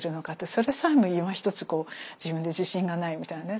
それさえもいまひとつ自分で自信がないみたいな。